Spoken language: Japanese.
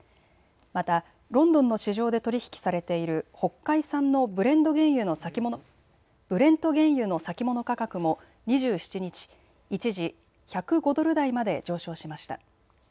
また、ロンドンの市場で取り引きされている北海産のブレント原油の先物価格も２７日、一時、１０５ドル台まで上昇しました。